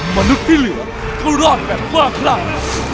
มนุษย์ที่เหลือก็รอดแบบล่าคลั่ง